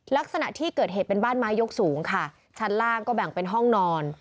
ลักษณะที่เกิดเหตุเป็นบ้านไม้ยกสูงค่ะชั้นล่างก็แบ่งเป็นห้องนอน